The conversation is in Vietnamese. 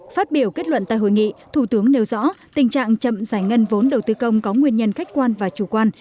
phát biểu kết luận tại hội nghị thủ tướng nêu rõ tình trạng chậm giải ngân vốn đầu tư công có nguyên nhân khách quan và chủ quan